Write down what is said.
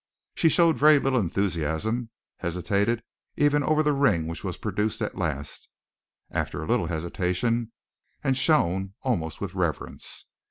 She showed very little enthusiasm hesitated, even over the ring which was produced at last, after a little hesitation, and shown almost with reverence.